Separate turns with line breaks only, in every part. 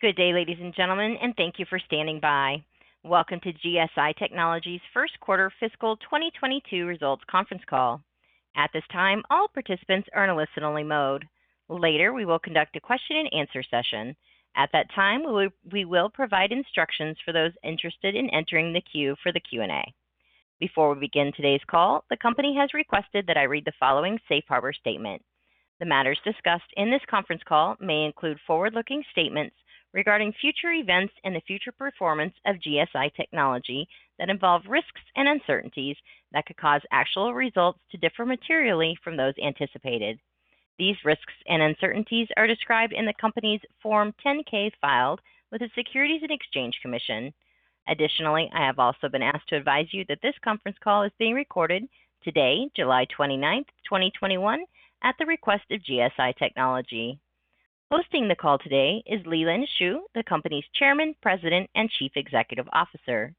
Good day, ladies and gentlemen, and thank you for standing by. Welcome to GSI Technology's first quarter fiscal 2022 results conference call. At this time, all participants are in a listen only mode. Later, we will conduct a question and answer session. At that time, we will provide instructions for those interested in entering the queue for the Q&A. Before we begin today's call, the company has requested that I read the following safe harbor statement. The matters discussed in this conference call may include forward-looking statements regarding future events and the future performance of GSI Technology that involve risks and uncertainties that could cause actual results to differ materially from those anticipated. These risks and uncertainties are described in the company's Form 10-K filed with the Securities and Exchange Commission. Additionally, I have also been asked to advise you that this conference call is being recorded today, July 29th, 2021, at the request of GSI Technology. Hosting the call today is Lee-Lean Shu, the company's Chairman, President, and Chief Executive Officer.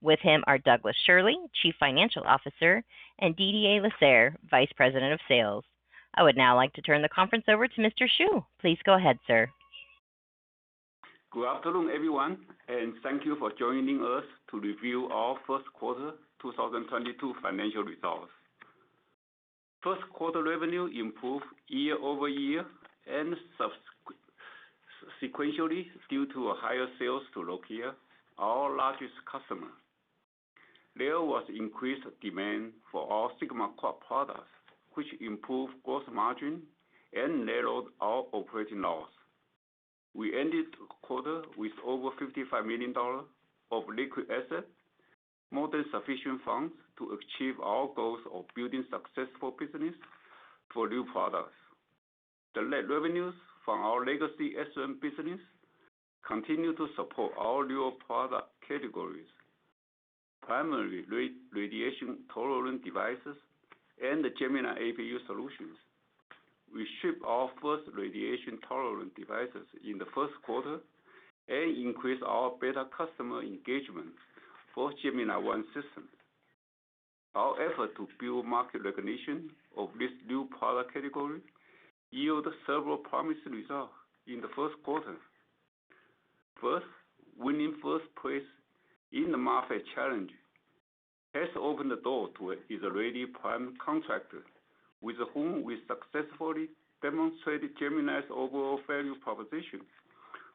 With him are Douglas Schirle, Chief Financial Officer, and Didier Lasserre, Vice President of Sales. I would now like to turn the conference over to Mr. Shu. Please go ahead, sir.
Good afternoon, everyone, and thank you for joining us to review our first quarter 2022 financial results. First quarter revenue improved year-over-year and sequentially due to higher sales to Nokia, our largest customer. There was increased demand for our SigmaQuad products, which improved gross margin and narrowed our operating loss. We ended the quarter with over $55 million of liquid assets, more than sufficient funds to achieve our goals of building successful business for new products. The net revenues from our legacy SRAM business continue to support our newer product categories, primarily radiation-tolerant devices and the Gemini APU solutions. We ship our first radiation-tolerant devices in the first quarter and increase our beta customer engagement for Gemini-I system. Our effort to build market recognition of this new product category yield several promising results in the first quarter. First, winning first place in the MAFAT Challenge has opened the door to Israeli prime contractor with whom we successfully demonstrated Gemini's overall value proposition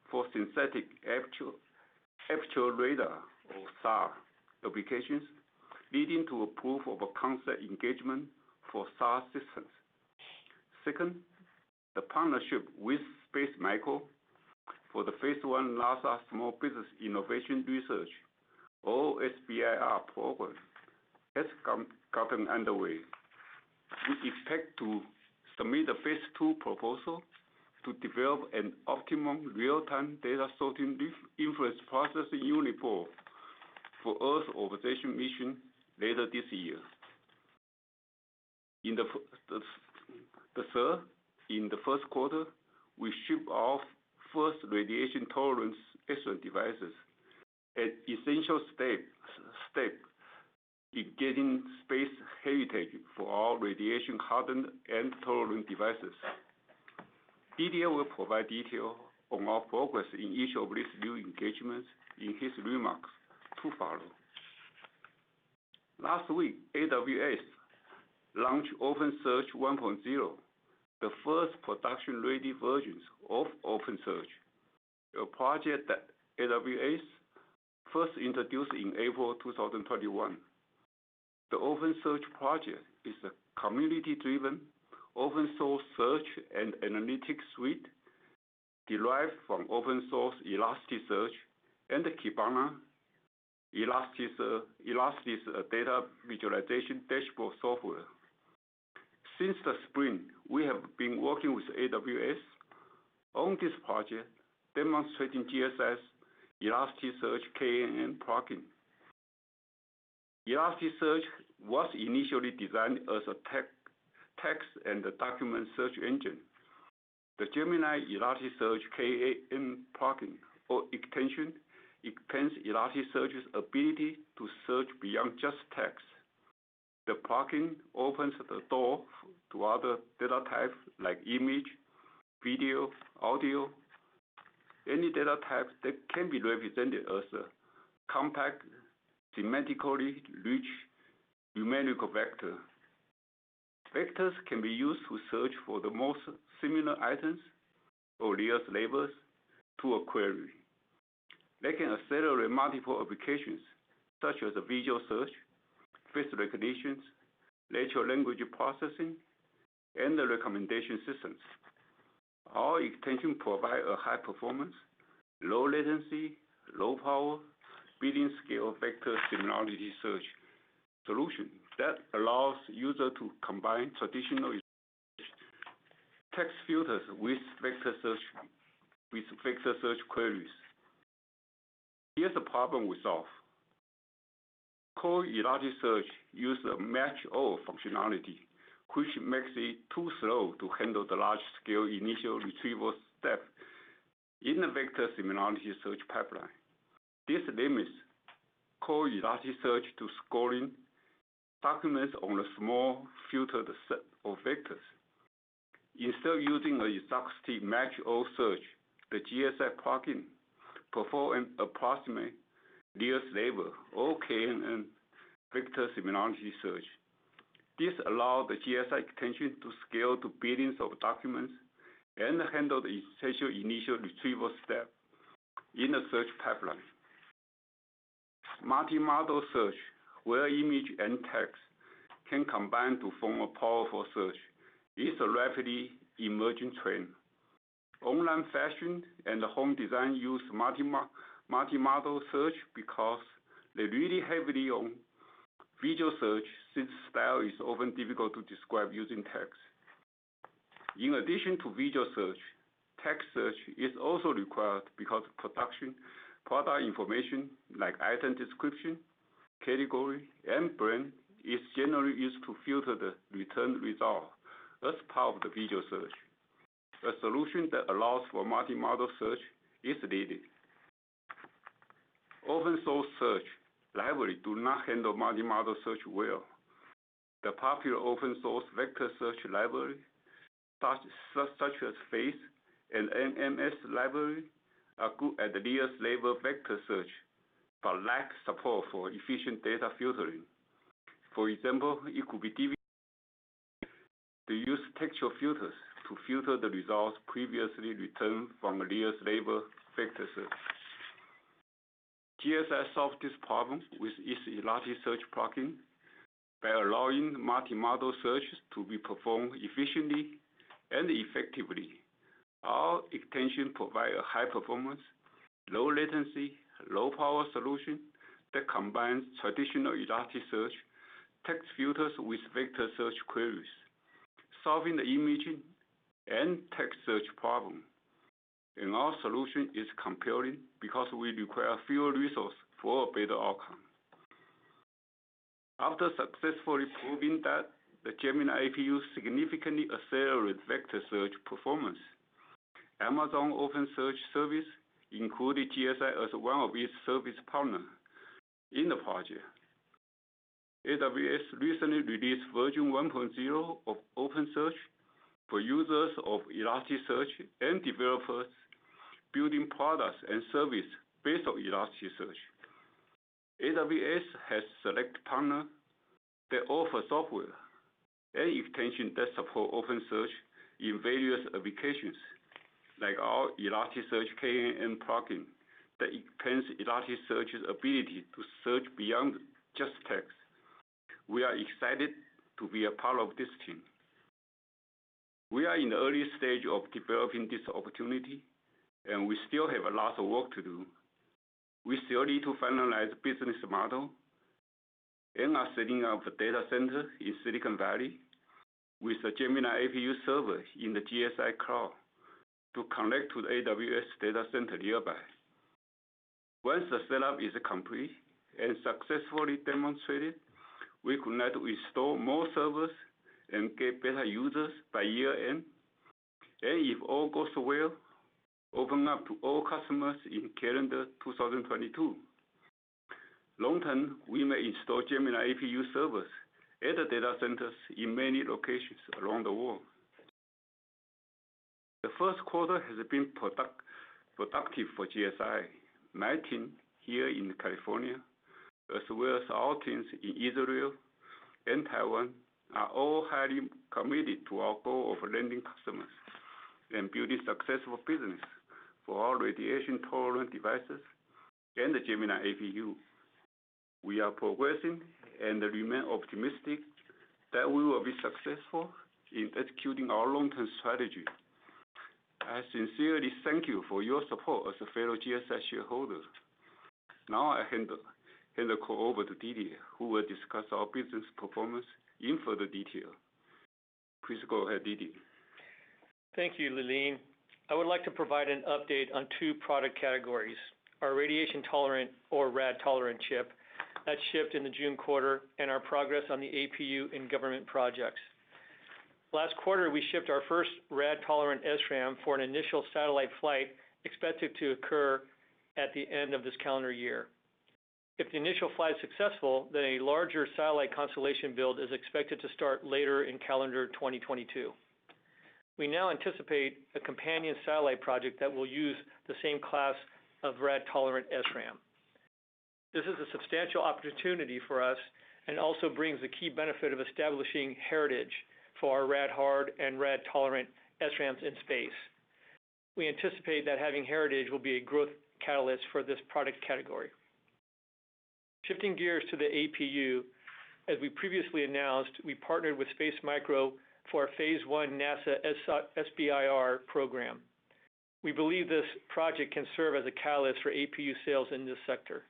for Synthetic Aperture Radar, or SAR, applications, leading to a proof of concept engagement for SAR systems. Second, the partnership with Space Micro for the phase I NASA Small Business Innovation Research, or SBIR program, has gotten underway. We expect to submit a Phase II proposal to develop an optimum real-time data sorting inference processing unit board for Earth observation mission later this year. The third, in the first quarter, we ship our first radiation tolerance SomDevices, an essential step in getting space heritage for our radiation-hardened and tolerant devices. Didier will provide detail on our progress in each of these new engagements in his remarks to follow. Last week, AWS launched OpenSearch 1.0, the first production-ready version of OpenSearch, a project that AWS first introduced in April 2021. The OpenSearch project is a community-driven, open-source search and analytics suite derived from open-source Elasticsearch and Kibana, Elastic's data visualization dashboard software. Since the spring, we have been working with AWS on this project demonstrating GSI's Elasticsearch k-NN plugin. Elasticsearch was initially designed as a text and document search engine. The Gemini Elasticsearch k-NN plugin or extension extends Elasticsearch's ability to search beyond just text. The plugin opens the door to other data types like image, video, audio, any data type that can be represented as a compact, semantically rich numerical vector. Vectors can be used to search for the most similar items or nearest neighbors to a query. They can accelerate multiple applications such as visual search, face recognition, natural language processing, and recommendation systems. Our extension provides a high performance, low latency, low power, building scale vector similarity search solution that allows users to combine traditional Elasticsearch text filters with vector search queries. Here's the problem we solve. Core Elasticsearch uses a match all functionality, which makes it too slow to handle the large-scale initial retrieval step in the vector similarity search pipeline. This limits core Elasticsearch to scoring documents on a small filtered set of vectors. Instead of using an exhaustive match all search, the GSI plugin performs an approximate nearest neighbor or k-NN vector similarity search. This allows the GSI extension to scale to billions of documents and handle the essential initial retrieval step in a search pipeline. Multi-modal search, where image and text can combine to form a powerful search, is a rapidly emerging trend. Online fashion and home design use multi-modal search because they rely heavily on visual search, since style is often difficult to describe using text. In addition to visual search, text search is also required because production product information like item description, category, and brand, is generally used to filter the return result as part of the visual search. A solution that allows for multi-modal search is needed. Open-source search libraries do not handle multi-modal search well. The popular open-source vector search library, such as Faiss and NMSLIB, are good at the nearest neighbor vector search but lack support for efficient data filtering. For example, it could be difficult to use textual filters to filter the results previously returned from the nearest neighbor vector search. GSI solves this problem with its Elasticsearch plugin by allowing multi-modal searches to be performed efficiently and effectively. Our extension provides a high-performance, low-latency, low-power solution that combines traditional Elasticsearch text filters with vector search queries, solving the imaging and text search problem. Our solution is compelling because we require fewer resources for a better outcome. After successfully proving that the Gemini APU significantly accelerates vector search performance, Amazon OpenSearch Service included GSI as one of its service partners in the project. AWS recently released version 1.0 of OpenSearch for users of Elasticsearch and developers building products and services based on Elasticsearch. AWS has select partners that offer software and extensions that support OpenSearch in various applications, like our Elasticsearch k-NN plugin that enhances Elasticsearch's ability to search beyond just text. We are excited to be a part of this team. We are in the early stage of developing this opportunity, and we still have a lot of work to do. We still need to finalize the business model and are setting up a data center in Silicon Valley with a Gemini APU server in the GSI Cloud to connect to the AWS data center nearby. Once the setup is complete and successfully demonstrated, we could then install more servers and get beta users by year-end. If all goes well, open up to all customers in calendar 2022. Long-term, we may install Gemini APU servers at data centers in many locations around the world. The first quarter has been productive for GSI. My team here in California, as well as our teams in Israel and Taiwan, are all highly committed to our goal of landing customers and building successful business for our radiation-tolerant devices and the Gemini APU. We are progressing and remain optimistic that we will be successful in executing our long-term strategy. I sincerely thank you for your support as a fellow GSI shareholder. Now I hand the call over to Didier, who will discuss our business performance in further detail. Please go ahead, Didier.
Thank you, Lee-Lean. I would like to provide an update on two product categories, our radiation-tolerant or rad-tolerant chip that shipped in the June quarter, and our progress on the APU in government projects. Last quarter, we shipped our first rad-tolerant SRAM for an initial satellite flight expected to occur at the end of this calendar year. If the initial flight is successful, then a larger satellite constellation build is expected to start later in calendar 2022. We now anticipate a companion satellite project that will use the same class of rad-tolerant SRAM. This is a substantial opportunity for us and also brings the key benefit of establishing heritage for our rad-hard and rad-tolerant SRAMs in space. We anticipate that having heritage will be a growth catalyst for this product category. Shifting gears to the APU, as we previously announced, we partnered with Space Micro for our phase I NASA SBIR program. We believe this project can serve as a catalyst for APU sales in this sector.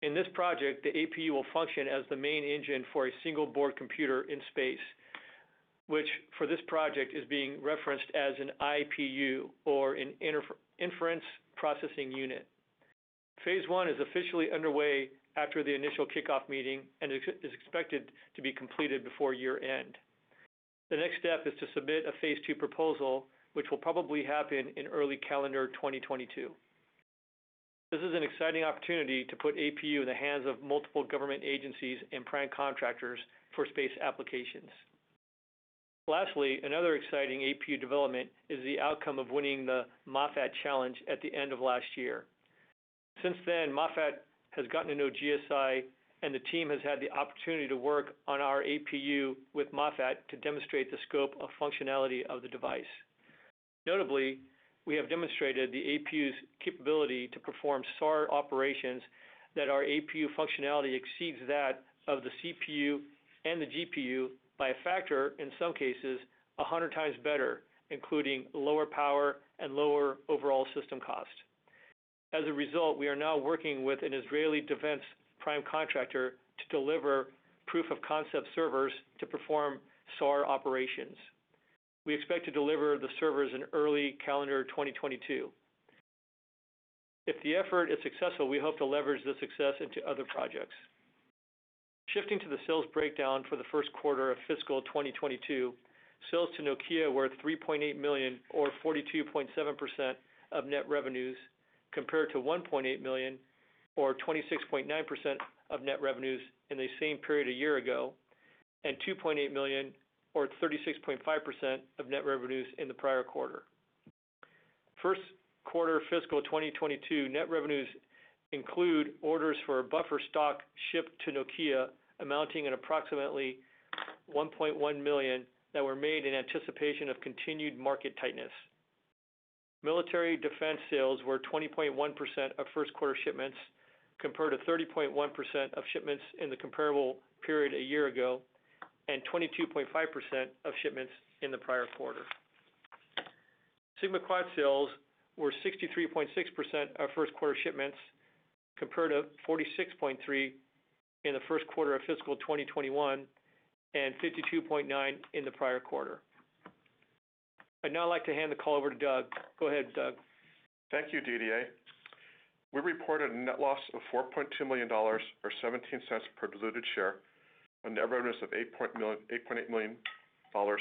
In this project, the APU will function as the main engine for a single-board computer in space, which for this project is being referenced as an IPU or an inference processing unit. Phase I is officially underway after the initial kickoff meeting and is expected to be completed before year-end. The next step is to submit a phase II proposal, which will probably happen in early calendar 2022. This is an exciting opportunity to put APU in the hands of multiple government agencies and prime contractors for space applications. Lastly, another exciting APU development is the outcome of winning the MAFAT Challenge at the end of last year. Since then, MAFAT has gotten to know GSI, and the team has had the opportunity to work on our APU with MAFAT to demonstrate the scope of functionality of the device. Notably, we have demonstrated the APU's capability to perform SAR operations that our APU functionality exceeds that of the CPU and the GPU by a factor, in some cases, 100x better, including lower power and lower overall system cost. As a result, we are now working with an Israeli defense prime contractor to deliver proof of concept servers to perform SAR operations. We expect to deliver the servers in early calendar 2022. If the effort is successful, we hope to leverage this success into other projects. Shifting to the sales breakdown for the first quarter of fiscal 2022, sales to Nokia were $3.8 million, or 42.7% of net revenues, compared to $1.8 million, or 26.9% of net revenues in the same period a year ago, and $2.8 million, or 36.5% of net revenues in the prior quarter. First quarter fiscal 2022 net revenues include orders for a buffer stock shipped to Nokia amounting to approximately $1.1 million that were made in anticipation of continued market tightness. Military defense sales were 20.1% of first quarter shipments, compared to 30.1% of shipments in the comparable period a year ago, and 22.5% of shipments in the prior quarter. SigmaQuad sales were 63.6% of first quarter shipments, compared to 46.3% in the first quarter of fiscal 2021, and 52.9% in the prior quarter. I'd now like to hand the call over to Doug. Go ahead, Doug.
Thank you, Didier. We reported a net loss of $4.2 million, or $0.17 per diluted share, on net revenues of $8.8 million for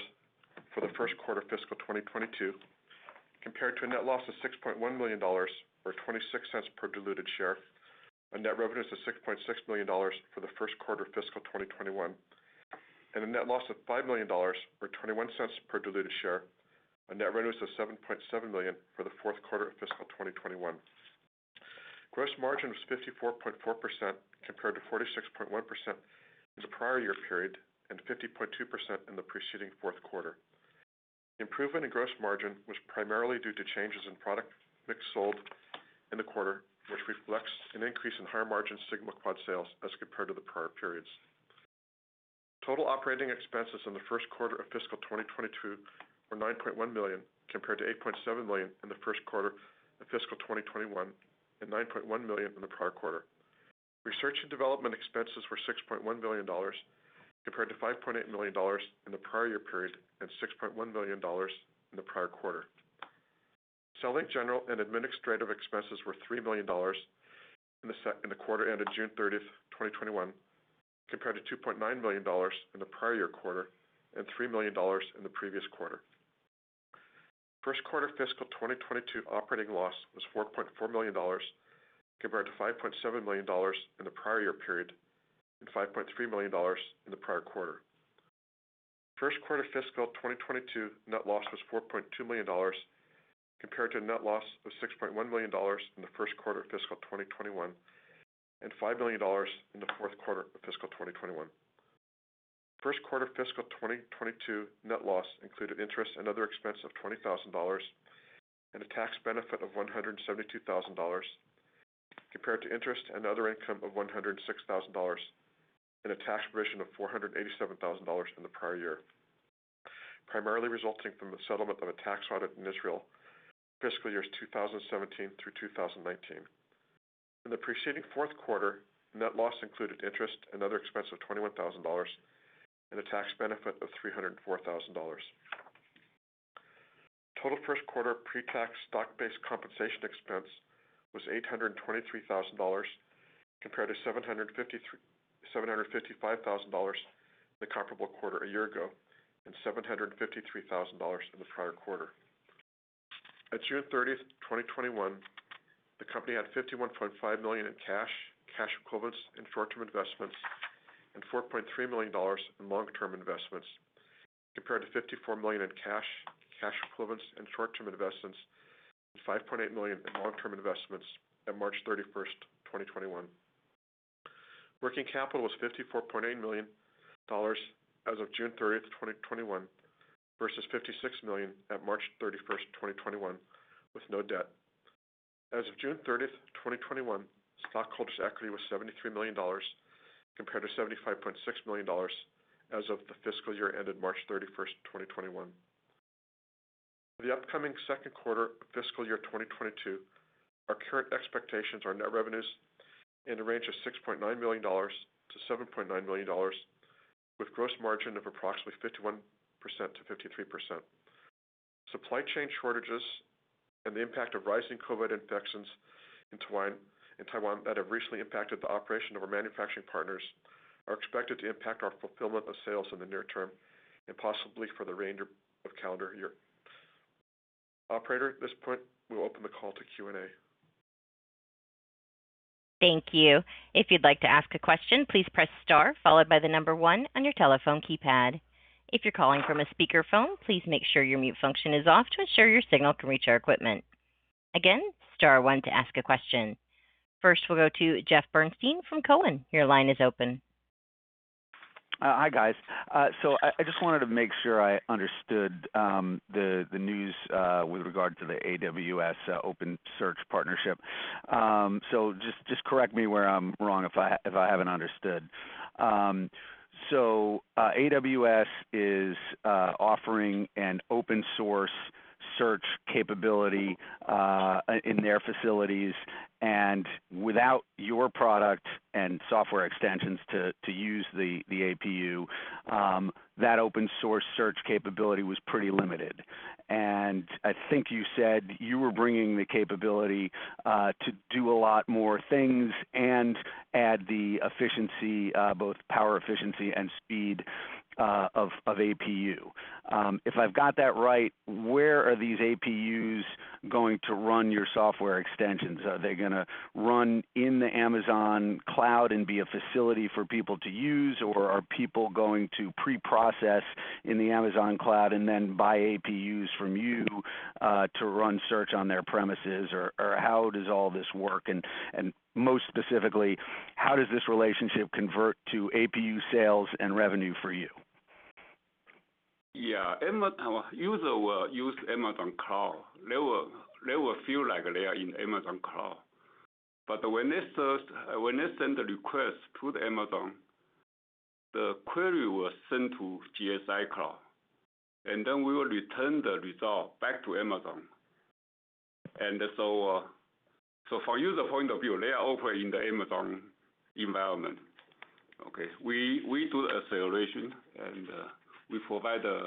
the first quarter fiscal 2022, compared to a net loss of $6.1 million, or $0.26 per diluted share, on net revenues of $6.6 million for the first quarter fiscal 2021, and a net loss of $5 million, or $0.21 per diluted share on net revenues of $7.7 million for the fourth quarter of fiscal 2021. Gross margin was 54.4%, compared to 46.1% in the prior year period, and 50.2% in the preceding fourth quarter. Improvement in gross margin was primarily due to changes in product mix sold in the quarter, which reflects an increase in higher margin SigmaQuad sales as compared to the prior periods. Total operating expenses in the first quarter of fiscal 2022 were $9.1 million, compared to $8.7 million in the first quarter of fiscal 2021, and $9.1 million in the prior quarter. Research and development expenses were $6.1 million, compared to $5.8 million in the prior year period, and $6.1 million in the prior quarter. Selling, general and administrative expenses were $3 million in the quarter ended June 30th, 2021, compared to $2.9 million in the prior year quarter, and $3 million in the previous quarter. First quarter fiscal 2022 operating loss was $4.4 million, compared to $5.7 million in the prior year period, and $5.3 million in the prior quarter. First quarter fiscal 2022 net loss was $4.2 million, compared to a net loss of $6.1 million in the first quarter of fiscal 2021, and $5 million in the fourth quarter of fiscal 2021. First quarter fiscal 2022 net loss included interest and other expense of $20,000 and a tax benefit of $172,000, compared to interest and other income of $106,000 and a tax provision of $487,000 in the prior year, primarily resulting from the settlement of a tax audit in Israel, fiscal years 2017 through 2019. In the preceding fourth quarter, net loss included interest and other expense of $21,000 and a tax benefit of $304,000. Total first quarter pre-tax stock-based compensation expense was $823,000, compared to $755,000 in the comparable quarter a year ago, and $753,000 in the prior quarter. At June 30th, 2021, the company had $51.5 million in cash equivalents, and short-term investments, and $4.3 million in long-term investments, compared to $54 million in cash equivalents, and short-term investments, and $5.8 million in long-term investments at March 31st, 2021. Working capital was $54.8 million as of June 30th, 2021 versus $56 million at March 31st, 2021, with no debt. As of June 30th, 2021, stockholders' equity was $73 million, compared to $75.6 million as of the fiscal year ended March 31st, 2021. For the upcoming second quarter fiscal year 2022, our current expectations are net revenues in the range of $6.9 million-$7.9 million, with gross margin of approximately 51%-53%. Supply chain shortages and the impact of rising COVID infections in Taiwan that have recently impacted the operation of our manufacturing partners are expected to impact our fulfillment of sales in the near term, and possibly for the remainder of calendar year. Operator, at this point, we will open the call to Q&A.
Thank you. If you would like to ask a question please press star followed by the number one on your telephone keypad. If you are calling from a speaker phone please make sure your mute function is off to make sure your signal can reach your equipment. Again star one to ask a question. First, we'll go to Jeffrey Bernstein from Cowen. Your line is open.
Hi, guys. I just wanted to make sure I understood the news with regard to the AWS OpenSearch partnership. Just correct me where I'm wrong if I haven't understood. AWS is offering an open-source search capability in their facilities, and without your product and software extensions to use the APU, that open-source search capability was pretty limited. I think you said you were bringing the capability to do a lot more things and add the efficiency, both power efficiency and speed of APU. If I've got that right, where are these APUs going to run your software extensions? Are they going to run in the Amazon cloud and be a facility for people to use, or are people going to pre-process in the Amazon cloud and then buy APUs from you to run search on their premises, or how does all this work? Most specifically, how does this relationship convert to APU sales and revenue for you?
Yeah. Our user will use Amazon cloud. They will feel like they are in Amazon cloud. When they send the request to the Amazon, the query will send to GSI Cloud, and then we will return the result back to Amazon. From user point of view, they are operating in the Amazon environment. Okay. We do acceleration, and we provide the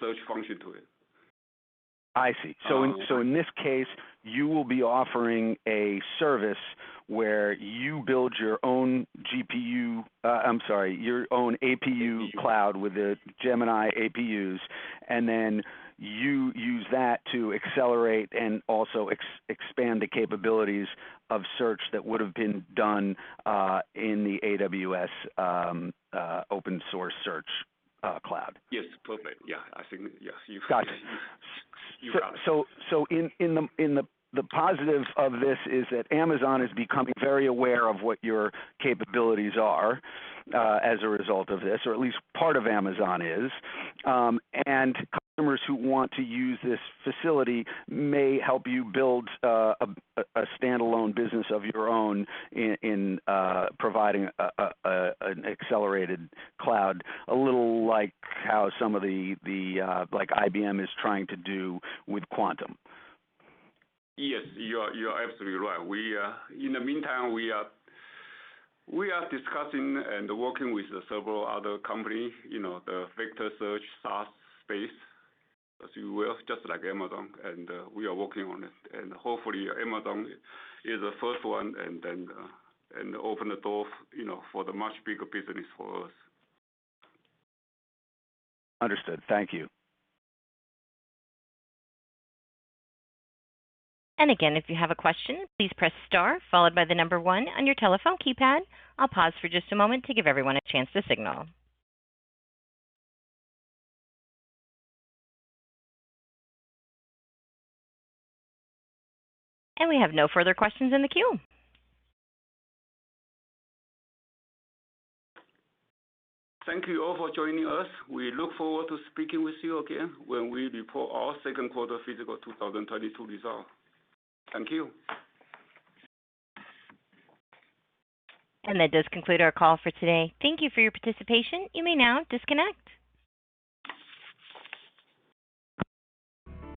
search function to it.
I see. In this case, you will be offering a service where you build your own APU cloud with the Gemini APUs, and then you use that to accelerate and also expand the capabilities of search that would've been done in the AWS OpenSearch cloud.
Yes, perfect. Yeah. I think, yes.
Got it.
You got it.
The positive of this is that Amazon is becoming very aware of what your capabilities are as a result of this, or at least part of Amazon is. Customers who want to use this facility may help you build a standalone business of your own in providing an accelerated cloud, a little like how like IBM is trying to do with Quantum.
Yes, you are absolutely right. In the meantime, we are discussing and working with several other company, the vector search, SaaS space, as you will, just like Amazon, and we are working on it. Hopefully, Amazon is the first one, and open the door for the much bigger business for us.
Understood. Thank you.
Again, if you have a question, please press star, followed by the number one on your telephone keypad. I'll pause for just a moment to give everyone a chance to signal. We have no further questions in the queue.
Thank you all for joining us. We look forward to speaking with you again when we report our second quarter fiscal 2022 result. Thank you.
That does conclude our call for today. Thank you for your participation. You may now disconnect.